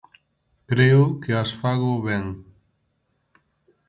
Creo que as fago ben.